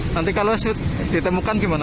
nanti kalau ditemukan gimana